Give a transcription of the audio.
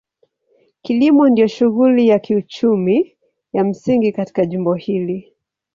Kilimo ndio shughuli ya kiuchumi ya msingi katika jimbo hili.